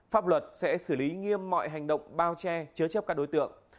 pháp luật sẽ xử lý nghiêm mọi hành động bao che chứa chấp các đối tượng